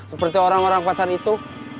seperti orang orang pasar itu